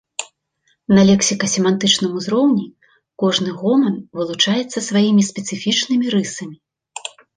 На лексіка-семантычным узроўні кожны гоман вылучаецца сваімі спецыфічнымі рысамі.